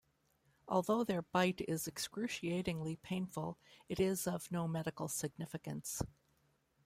Although their bite is excruciatingly painful, it is of no medical significance.